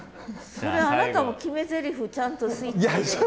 それあなたも決めゼリフちゃんとスイッチ入れて。